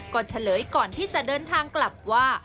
ก็เฉลยก่อนที่จะเดินทางกลับว่า